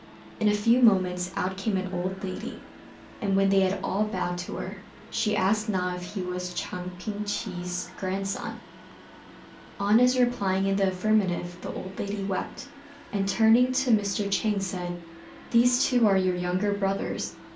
In a few moments out came an old lady, and when they had all bowed to her, she asked Na if he was Chang Ping chih's grandson. On his replying in the affirmative, the old lady wept, and, turning to Mr. Chang, said, "These two are your younger brothers."